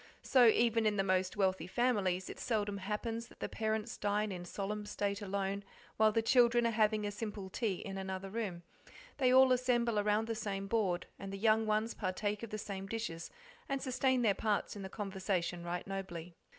So even in the most wealthy families it seldom happens that the parents dine in solemn state alone, while the children are having a simple tea in another room: they all assemble around the same board, and the young ones partake of the same dishes, and sustain their parts in the conversation right nobly.